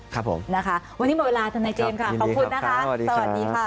ครับผมนะคะวันนี้หมดเวลาทนายเจมส์ค่ะขอบคุณนะคะสวัสดีค่ะ